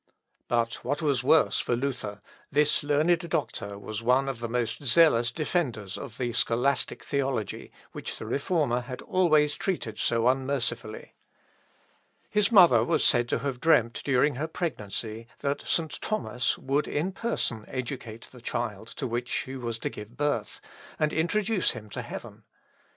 But what was worse for Luther, this learned doctor was one of the most zealous defenders of the scholastic theology, which the Reformer had always treated so unmercifully. His mother was said to have dreamt during her pregnancy, that St. Thomas would in person educate the child to which she was to give birth, and introduce him to heaven.